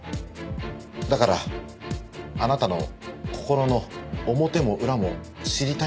だからあなたの心の表も裏も知りたいんです。